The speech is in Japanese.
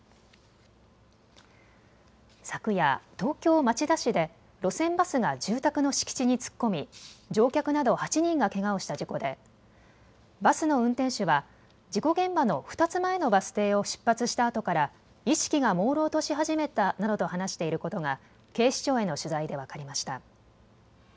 昨夜、東京町田市で路線バスが住宅の敷地に突っ込み乗客など８人がけがをした事故でバスの運転手は事故現場の２つ前のバス停を出発したあとから意識がもうろうとし始めたなどと話していることが警視庁への取材で分かりました。